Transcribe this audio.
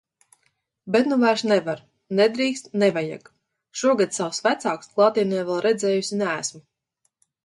Bet nu vairs nevar. Nedrīkst, nevajag. Šogad savus vecākus klātienē vēl redzējusi neesmu.